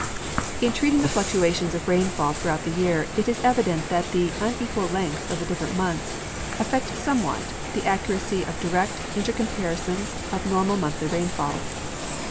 In treating the fluctuations of rainfall throughout the year it is evident that the unequal lengths of the different months affect somewhat the accuracy of direct inter comparisons of normal monthly rainfalls.